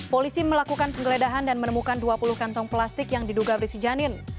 polisi melakukan penggeledahan dan menemukan dua puluh kantong plastik yang diduga berisi janin